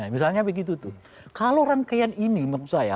misalnya begitu tuh kalau rangkaian ini maksud saya